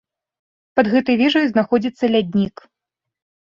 Пад гэтай вежаю знаходзіцца ляднік.